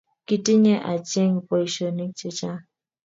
Kitinye acheg poisyonik chechang'.